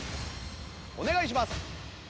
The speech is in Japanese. お願いします。